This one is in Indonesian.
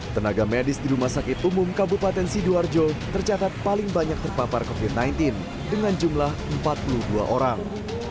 tenaga medis di rumah sakit umum kabupaten sidoarjo tercatat paling banyak terpapar covid sembilan belas dengan jumlah empat puluh dua orang